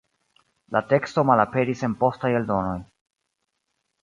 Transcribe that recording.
La teksto malaperis en postaj eldonoj.